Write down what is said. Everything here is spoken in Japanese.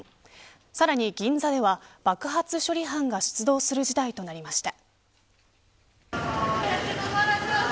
さらに、銀座では爆発処理班が出動する事態となりました。